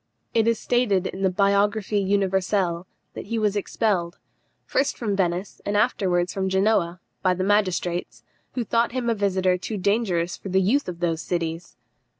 It is stated in the Biographie Universelle that he was expelled, first from Venice, and afterwards from Genoa, by the magistrates, who thought him a visitor too dangerous for the youth of those cities.